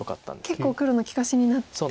結構黒の利かしになってる。